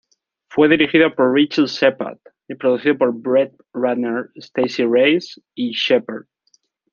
Fue dirigido por Richard Shepard y producido por Brett Ratner, Stacey Reiss y Shepard.